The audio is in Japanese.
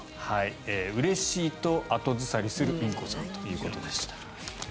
うれしいと後ずさりするインコさんということでした。